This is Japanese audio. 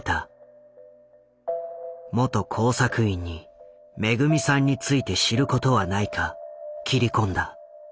元工作員にめぐみさんについて知ることはないか切り込んだ。